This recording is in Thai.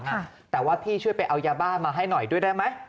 ตะว่าพี่กลับไปช่วยไปเอายาบ้านให้หน่อยได้มั้ย